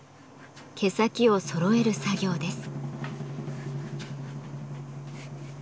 毛先を揃える作業です。